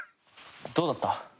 どうだった？